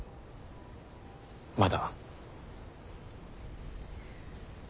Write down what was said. まだ。